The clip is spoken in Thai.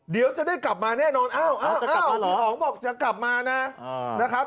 เดี๋ยวจะได้กลับมาแน่นอนอ้าวพี่อ๋องบอกจะกลับมานะนะครับ